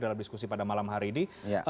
dalam diskusi pada malam hari ini